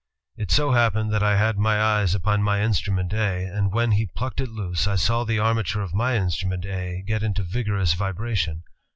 It so happened that I had my eyes upon my instrument 4, and when he plucked it loose, I saw the armature of my instrument A get into vigorous vibration.